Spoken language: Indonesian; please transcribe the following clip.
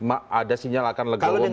ada sinyal akan legawang dulu